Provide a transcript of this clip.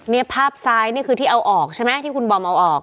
นี่ภาพซ้ายนี่คือที่เอาออกใช่ไหมที่คุณบอมเอาออก